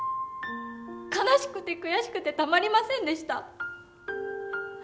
悲しくて悔しくてたまりませんでした。